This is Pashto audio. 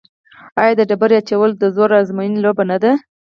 آیا د ډبرې اچول د زور ازموینې لوبه نه ده؟